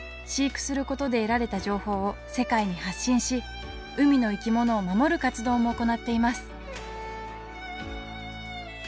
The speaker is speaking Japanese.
飼育することで得られた情報を世界に発信し海の生き物を守る活動も行っています